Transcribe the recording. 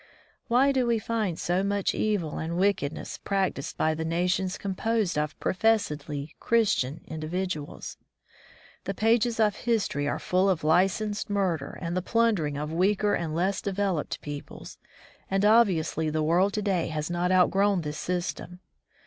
Why do we find so much evil and wicked ness practised by the nations composed of professedly *^ Christian" individuals? The pages of history are full of licensed murder and the plundering of weaker and less devel oped peoples, and obviously the world to day has not outgrown this system.